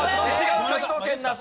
解答権なし。